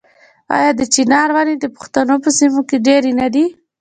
آیا د چنار ونې د پښتنو په سیمو کې ډیرې نه دي؟